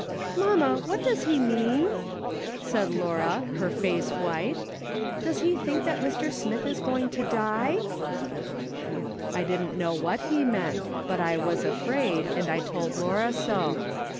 " Mamma, what docs he mean ?" said Laura, her face white. " Does he think that Mr. Smith is going to die ?" I didn't know what he meant, but I was afraid, and I told Laura so.